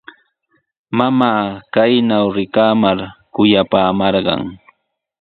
Mamaa kaynaw rikamar kuyapaamarqan.